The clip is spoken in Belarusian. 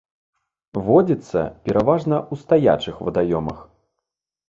Водзіцца пераважна ў стаячых вадаёмах.